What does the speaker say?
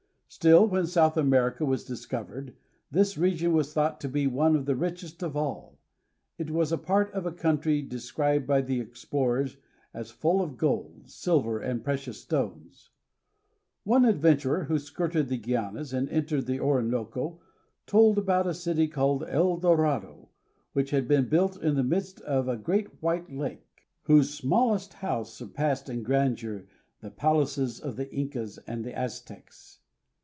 Still, when South America was discovered this region was thought to be one of the richest of all. It was a part of a country described by the explorers as full of gold, silver, and precious stones. One adventurer who skirted the Gui anas and entered the Orinoco told about a city called El Dorado, which had been built in the midst of a great white lake, whose smallest house surpassed in grandeur the BRITISH GUIANA. 343 palaces of the Incas and Aztecs.